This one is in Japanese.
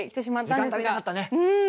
時間足りなかったね。